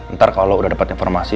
ntar kalau lu udah dapet informasi